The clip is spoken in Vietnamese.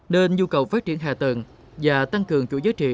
nên nhu cầu phát triển hạ tầng và tăng cường chủ giá trị